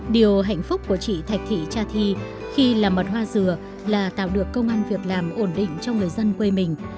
điều hạnh phúc của chị thạch thị cha thi khi làm mật hoa dừa là tạo được công an việc làm ổn định cho người dân quê mình